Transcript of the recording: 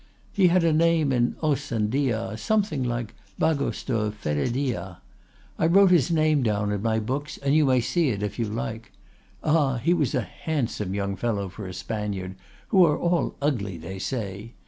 He had a name in os and dia, something like Bagos de Férédia. I wrote his name down in my books, and you may see it if you like. Ah! he was a handsome young fellow for a Spaniard, who are all ugly they say.